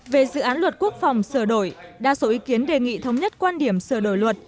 về dự án luật quốc phòng sửa đổi đa số ý kiến đề nghị thống nhất quan điểm sửa đổi luật